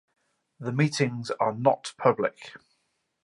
The meetings are not public.